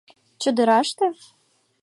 Чодыраште?